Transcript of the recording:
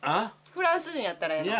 フランス人やったらええの？